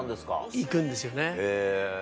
行くんですよね。